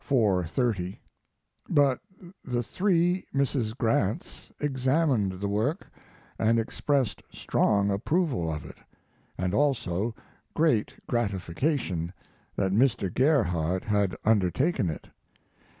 30; but the three Mrs. Grants examined the work and expressed strong approval of it, and also great gratification that Mr. Gerhardt had undertaken it.